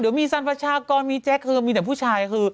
เดี๋ยวมีสรรพชากรมีแจ๊คคือมีแต่ผู้ชายคือ